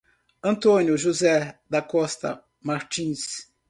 Antônio José da Costa Martins